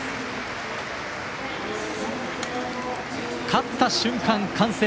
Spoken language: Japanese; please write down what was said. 勝った瞬間、歓声。